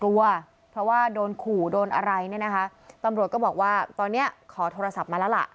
กลัวเพราะว่าโดนขู่โดนอะไรเนี่ยนะคะตำรวจก็บอกว่าตอนเนี้ยขอโทรศัพท์มาแล้วล่ะ